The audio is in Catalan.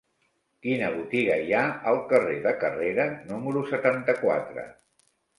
Quina botiga hi ha al carrer de Carrera número setanta-quatre?